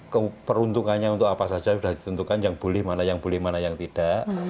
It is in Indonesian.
keberuntungannya untuk apa saja sudah ditentukan yang boleh mana yang boleh mana yang tidak